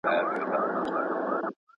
پوهان وايي چي استاد باید پیلنۍ بڼه ولولي.